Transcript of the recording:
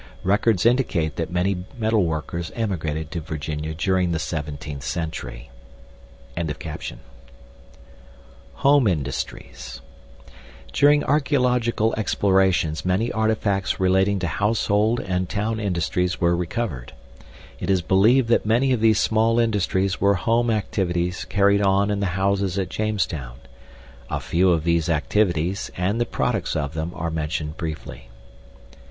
RECORDS INDICATE THAT MANY METALWORKERS EMIGRATED TO VIRGINIA DURING THE 17TH CENTURY.] Home Industries During archeological explorations many artifacts relating to household and town industries were recovered. It is believed that many of these small industries were home activities carried on in the houses at Jamestown. A few of these activities, and the products of them are mentioned briefly.